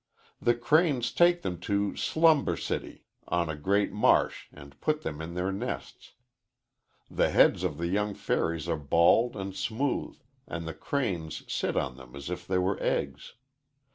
"The cranes take them to Slum bercity on a great marsh and put them in their nests. The heads of the young fairies are bald and smooth and the cranes sit on them as if they were eggs.